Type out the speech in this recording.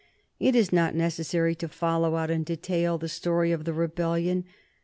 It is not necessary to follow out in detail the story of the rebellion.